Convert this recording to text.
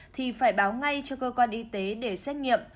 thì phải báo ngay cho cơ quan y tế để xét nghiệm